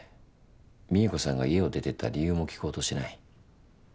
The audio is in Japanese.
美恵子さんが家を出てった理由も聞こうとしない。